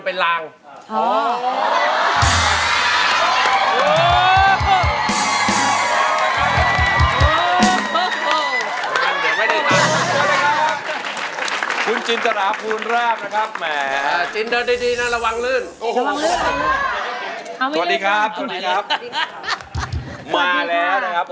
มาแล้วนะครับโอ้โหนี่นะครับ